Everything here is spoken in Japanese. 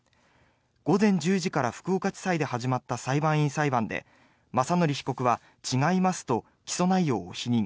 午前１０時から福岡地裁で始まった裁判員裁判で雅則被告は違いますと起訴内容を否認。